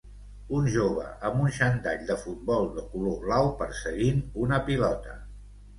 Un jove amb un xandall de futbol de color blau perseguint una pilota